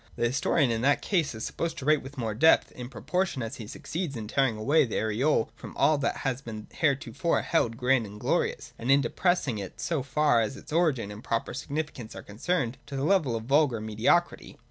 The historian, in that case, is supposed to write with more depth in proportion as he succeeds in tearing away the aureole from all that has been heretofore held grand and glorious, and in depressing it, so far as its origin and proper significance are concerned, to the level of vulgar mediocrity.